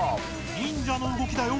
忍者の動きだよ！